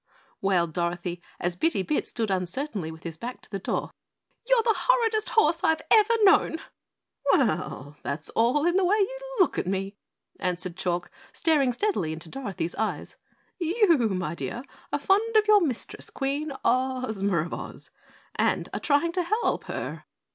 wailed Dorothy, as Bitty Bit stood uncertainly with his back to the door. "You're the horridest horse I've ever known!" "Well, that's all in the way you look at me," answered Chalk, staring steadily into Dorothy's eyes. "You, my dear, are fond of your Mistress, Queen Ozma of Oz, and are trying to help her.